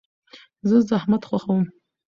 زه زحمت خوښوم.